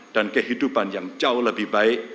dan kehidupan yang jauh lebih baik